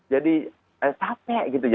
jadi capek gitu